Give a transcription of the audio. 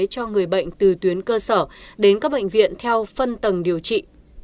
cho người bệnh từ tuyến cơ sở đến các bệnh viện theo phân tầng điều trị